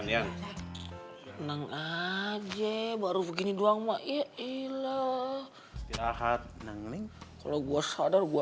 yang yang nang aja baru begini doang maki ilah jahat nangling kalau gua sadar gua